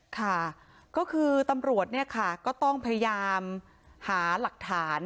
ค่ะก็คือตำรวจเนี่ยค่ะก็ต้องพยายามหาหลักฐาน